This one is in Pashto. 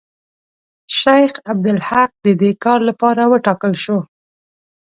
شیخ عبدالحق د دې کار لپاره وټاکل شو.